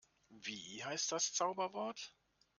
Wie heißt das Zauberwort?